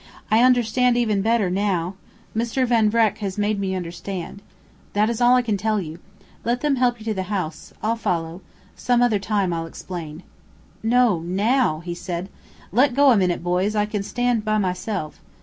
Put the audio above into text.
I understand even better now. Mr. Van Vreck has made me understand. That is all I can tell you. Let them help you to the house. I'll follow. Some other time I'll explain." "No now!" he said. "Let go a minute, boys. I can stand by myself.